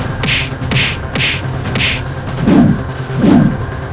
aku akan menang